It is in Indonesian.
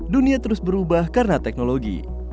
dunia terus berubah karena teknologi